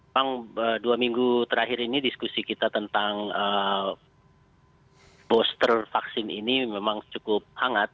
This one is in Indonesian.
bang dua minggu terakhir ini diskusi kita tentang booster vaksin ini memang cukup hangat